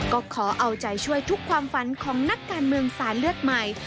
ก็ขอเอาใจช่วยทุกความฝันของนักการเมืองสายเลือดใหม่